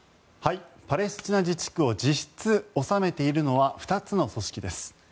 パレスチナ自治区を実質治めているのは２つの組織です。